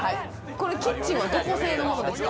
これキッチンはどこ製のものですか？